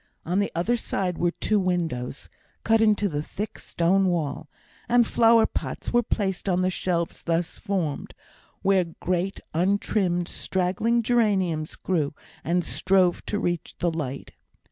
On the other side were two windows, cut into the thick stone wall, and flower pots were placed on the shelves thus formed, where great, untrimmed, straggling geraniums grew, and strove to reach the light.